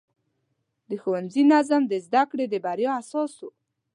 د ښوونځي نظم د زده کړې د بریا اساس و.